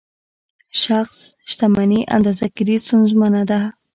شخص شتمني اندازه ګیري ستونزمنه ده.